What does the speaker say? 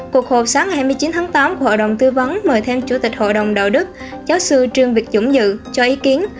cuộc họp sáng ngày hai mươi chín tháng tám của hội đồng tư vấn mời theo chủ tịch hội đồng đạo đức giáo sư trương việt dũng dự cho ý kiến